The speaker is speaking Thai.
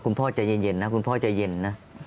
พ่อใจเย็นนะคุณพ่อใจเย็นนะ